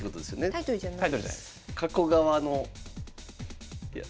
タイトルじゃないです。